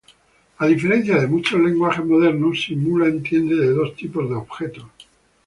A diferencia de muchos lenguajes modernos, Simula entiende de dos tipos de objetos.